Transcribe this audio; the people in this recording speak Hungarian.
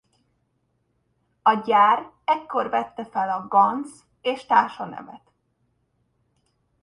A gyár ekkor vette fel a Ganz és Társa nevet.